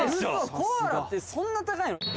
コアラってそんな高いの！？